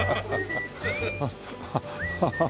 ハハハハハ。